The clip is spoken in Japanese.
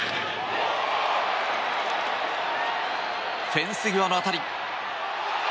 フェンス際の当たり。